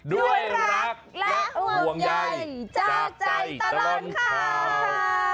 ด้วยรักและห่วงใยจากใจตลอดข่าว